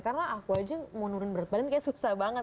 karena aku aja mau nurun berat badan kayaknya susah banget